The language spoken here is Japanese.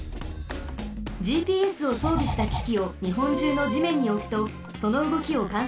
ＧＰＳをそうびしたききをにほんじゅうのじめんにおくとそのうごきをかんさつできます。